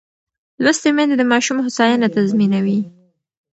لوستې میندې د ماشوم هوساینه تضمینوي.